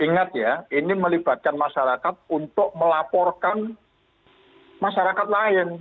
ingat ya ini melibatkan masyarakat untuk melaporkan masyarakat lain